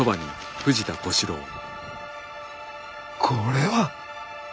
これは。